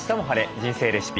人生レシピ」。